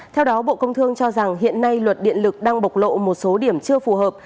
theo đó bộ công thương cho rằng hiện nay luật điện lực đang bộc lộ một số điểm chưa phù hợp